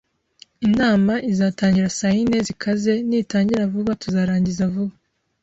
Inama izatangira saa yine zikaze. Nitangira vuba, tuzarangiza vuba.